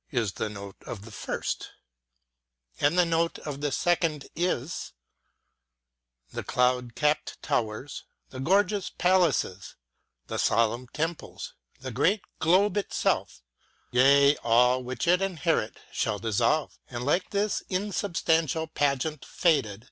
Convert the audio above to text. is the note of the first ; and the note of the second is : The cloud capped towers, the gorgeous palaces, The solemn temples, the great globe itself, Yea, all which it inherit, shall dissolve ; And, like this insubstantial pageant faded.